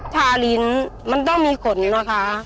ทาลิ้นมันต้องมีขนอยู่นะคะ